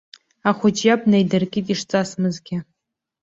Ахәыҷ иаб днаидыркит ишҵасмызгьы.